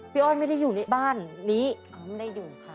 อ้อยไม่ได้อยู่ในบ้านนี้ไม่ได้อยู่ค่ะ